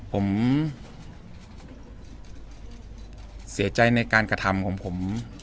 ผมเสียใจในการกระทำของผม